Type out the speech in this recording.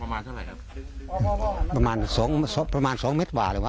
ประมาณเท่าไรครับประมาณสองสองประมาณสองเมตรหว่าหรือว่าอ๋อ